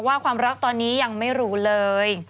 ความรักตอนนี้ยังไม่รู้เลย